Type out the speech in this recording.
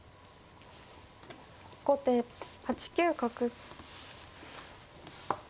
後手８九角。